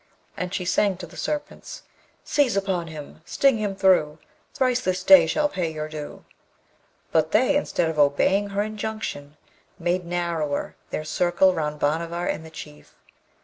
And she sang to the Serpents: Seize upon him! sting him thro'! Thrice this day shall pay your due. But they, instead of obeying her injunction, made narrower their circle round Bhanavar and the Chief.